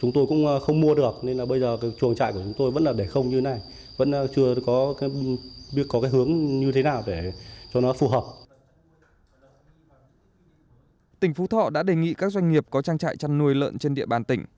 tỉnh phú thọ đã đề nghị các doanh nghiệp có trang trại chăn nuôi lợn trên địa bàn tỉnh